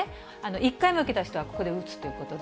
１回目受けた人はここで打つということで。